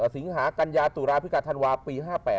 สิงหากัญญาตุลาพิกาธันวาปี๕๘